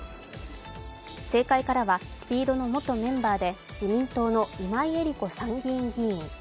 政界からはＳＰＥＥＤの元メンバーで、自民党の今井絵理子参議院議員。